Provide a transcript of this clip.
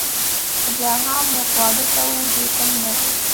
خو بیا هم موږ واده کوو دې ته مینه وايي.